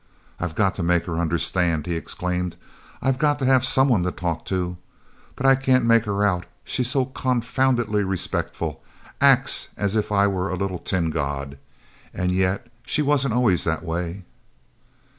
"I've got to make her understand," he exclaimed. "I've got to have someone to talk to. But I can't make her out. She's so confoundedly respectful—acts as if I were a little tin god. And yet—she wasn't always that way!"